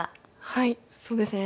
はいそうですね